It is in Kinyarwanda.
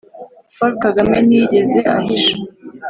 paul kagame ntiyigeze ahisha.